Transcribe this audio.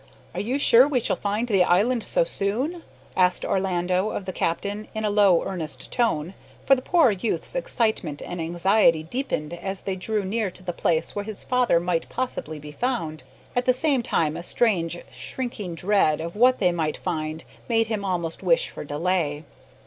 "Are you sure we shall find the island so soon?" asked Orlando of the captain in a low, earnest tone, for the poor youth's excitement and anxiety deepened as they drew near to the place where his father might possibly be found at the same time a strange, shrinking dread of what they might find made him almost wish for delay.